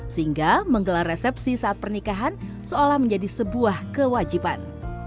sehingga menggelar resepsi saat pernikahan seolah menjadi sebuah kewajiban